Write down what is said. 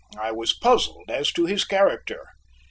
I was puzzled as to his character.